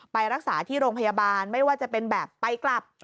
ไปรักษาที่โรงพยาบาลไม่ว่าจะเป็นแบบไปกลับ